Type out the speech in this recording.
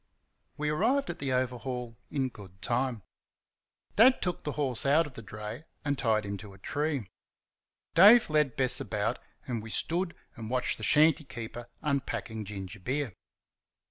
We arrived at the Overhaul in good time. Dad took the horse out of the dray and tied him to a tree. Dave led Bess about, and we stood and watched the shanty keeper unpacking gingerbeer.